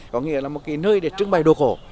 có nghĩa là một cái nơi để trưng bày đồ cổ